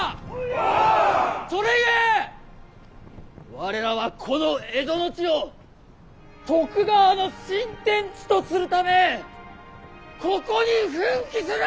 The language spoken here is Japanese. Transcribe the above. それゆえ我らはこの蝦夷の地を徳川の新天地とするためここに奮起する！